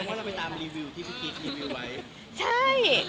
คือเราก็ไปตามรีวิวที่พี่คิดรีวิวไว้